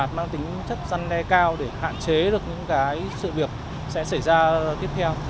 điều phạt mang tính chất dân đe cao để hạn chế được những cái sự việc sẽ xảy ra tiếp theo